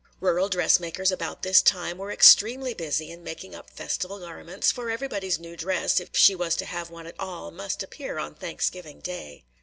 Rural dress makers about this time were extremely busy in making up festival garments, for everybody's new dress, if she was to have one at all, must appear on Thanksgiving day.